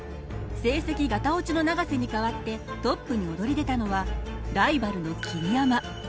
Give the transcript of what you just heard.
成績ガタオチの永瀬に代わってトップに躍り出たのはライバルの桐山。